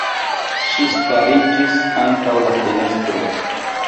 Ŝi stariĝis antaŭ la fenestro.